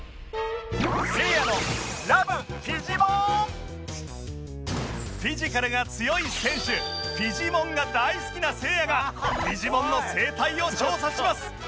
せいやのフィジカルが強い選手フィジモンが大好きなせいやがフィジモンの生態を調査します